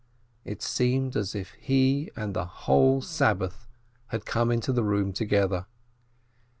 It seemed as if he and the holy Sabbath had come into the room together!